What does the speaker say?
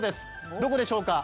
どこでしょうか？